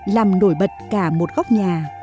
làm nổi bật cả một góc nhà